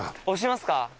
押しますか？